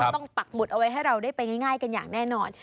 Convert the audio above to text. ต้องปักหมุดเอาไว้ให้เราได้ไปง่ายกันอย่างแน่นอน